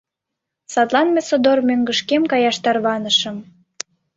Садлан мый содор мӧҥгышкем каяш тарванышым...